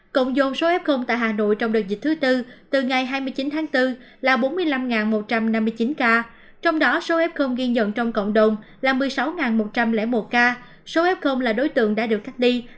cộng dồn số f tại hà nội trong đợt dịch thứ tư từ ngày hai mươi chín tháng bốn là bốn mươi năm một trăm năm mươi chín ca trong đó số f ghi nhận trong cộng đồng là một mươi sáu một trăm linh một ca